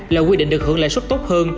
là quy định được hưởng lãi suất tốt hơn